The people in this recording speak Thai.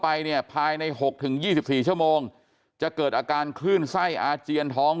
ไปเนี่ยภายใน๖๒๔ชั่วโมงจะเกิดอาการคลื่นไส้อาเจียนท้อง